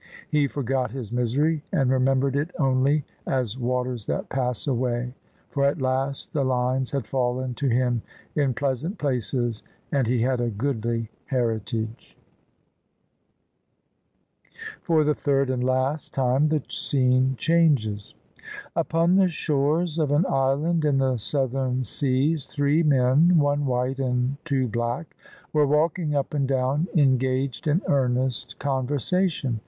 He forgot his misery, and remembered it only as waters that pass away : for at last the lines had fallen to him in pleasant places, and he had a goodly heritage. [ 354 ] OF ISABEL CARNABY FOR THE THIRD AND LAST TIME THE SCENE CHANGES Upon the shores of an island in the southern seas three men — one white and two black — ^were walking up and down engaged in earnest conversation.